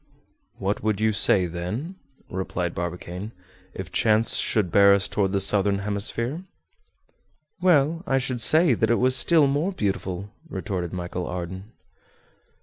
"What would you say, then," replied Barbicane, "if chance should bear us toward the southern hemisphere?" "Well, I should say that it was still more beautiful," retorted Michel Ardan.